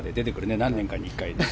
何年かに１回。